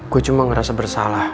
gue cuma ngerasa bersalah